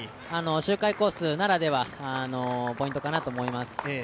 周回コースならではのポイントかなと思います。